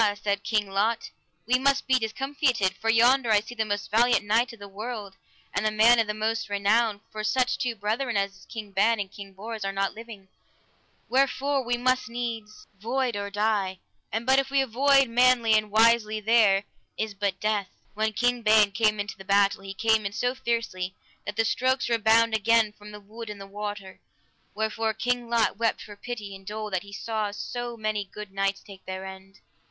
said King Lot, we must be discomfited, for yonder I see the most valiant knight of the world, and the man of the most renown, for such two brethren as is King Ban and King Bors are not living, wherefore we must needs void or die; and but if we avoid manly and wisely there is but death. When King Ban came into the battle, he came in so fiercely that the strokes redounded again from the wood and the water; wherefore King Lot wept for pity and dole that he saw so many good knights take their end.